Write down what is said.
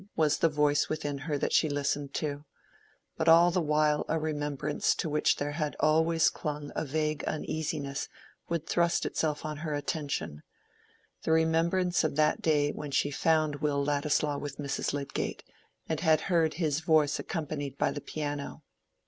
was the voice within her that she listened to; but all the while a remembrance to which there had always clung a vague uneasiness would thrust itself on her attention—the remembrance of that day when she had found Will Ladislaw with Mrs. Lydgate, and had heard his voice accompanied by the piano.